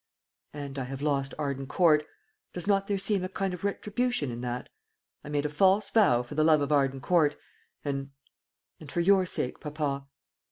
"And I have lost Arden Court. Does not there seem a kind of retribution in that? I made a false vow for the love of Arden Court and and for your sake, papa."